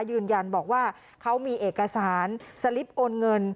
ยืนยันบอกว่าเขามีเอกสารสลิปโอนเงิน